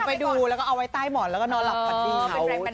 ไปดูแล้วก็เอาไว้ใต้หมอนแล้วก็นอนหลับพอดี